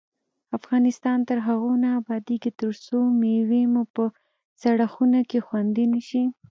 افغانستان تر هغو نه ابادیږي، ترڅو مېوې مو په سړه خونه کې خوندي نشي.